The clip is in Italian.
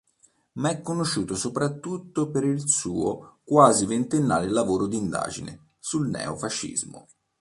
Ma è conosciuto soprattutto per il suo quasi ventennale lavoro di indagine sul neofascismo.